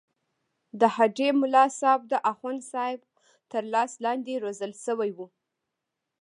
د هډې ملاصاحب د اخوندصاحب تر لاس لاندې روزل شوی وو.